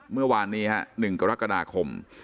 เมื่อวานนี้๑กรกฎาคม